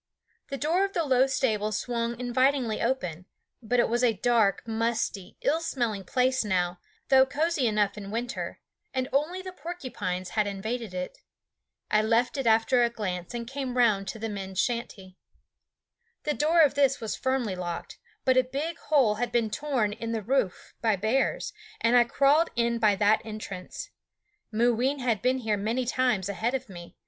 The door of the low stable swung invitingly open, but it was a dark, musty, ill smelling place now, though cozy enough in winter, and only the porcupines had invaded it. I left it after a glance and came round to the men's shanty. [Illustration: "Mooween had been here many times ahead of me"] The door of this was firmly locked; but a big hole had been torn in the roof by bears, and I crawled in by that entrance. Mooween had been here many times ahead of me.